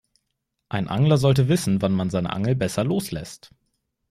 Ein Angler sollte wissen, wann man seine Angel besser loslässt.